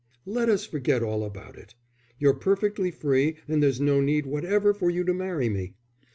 "Let us forget all about it. You're perfectly free and there's no need whatever for you to marry me.